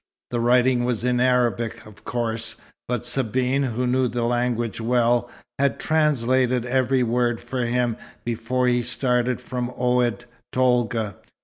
The writing was in Arabic, of course; but Sabine, who knew the language well, had translated every word for him before he started from Oued Tolga.